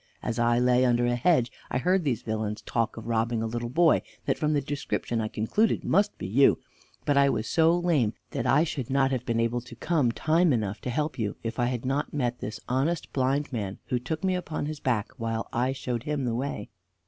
As I lay under a hedge I heard these villains talk of robbing a little boy that from the description I concluded must be you; but I was so lame that I should not have been able to come time enough to help you if I had not met this honest blind man, who took me upon his back, while I showed him the way."